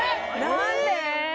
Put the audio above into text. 何で？